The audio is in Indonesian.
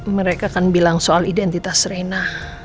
mereka akan bilang soal identitas reina